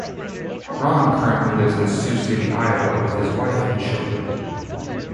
Ron currently lives in Sioux City, Iowa, with his wife and children.